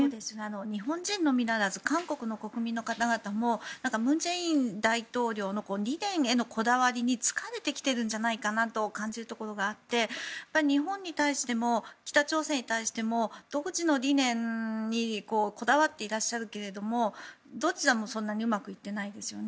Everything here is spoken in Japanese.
日本人のみならず韓国の国民の方々も文在寅大統領の理念へのこだわりに疲れてきているんじゃないかなと感じるところがあって日本に対しても北朝鮮に対してもどちらも理念にこだわっていらっしゃるけれどもどちらもそんなにうまくってないですよね。